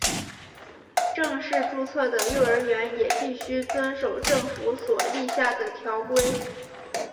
正式注册的幼儿园也必须遵守政府所立下的条规。